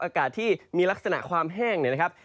อากาศที่มีลักษณะความแห้งเนี่ยนะครับ